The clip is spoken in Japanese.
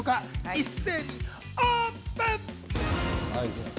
一斉にオープン！